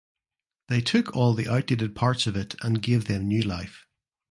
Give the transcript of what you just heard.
They took all the outdated parts of it and gave them new life.